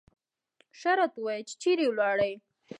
ښه راته ووایه چې چېرې ولاړې.